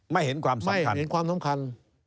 ไม่ได้ไม่เห็นความสำคัญ